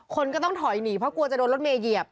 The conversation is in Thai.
คนก็ต้องถอยหนีเพราะกลัวจะโดนรถเมย์เหยียบ